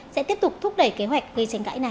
sẽ tiếp tục thúc đẩy kế hoạch gây tranh cãi này